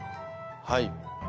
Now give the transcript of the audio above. はい。